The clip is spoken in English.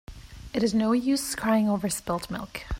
It is no use crying over spilt milk.